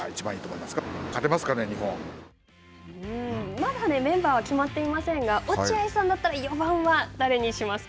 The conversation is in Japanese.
まだメンバーは決まっていませんが落合さんだったら４番は誰にしますか。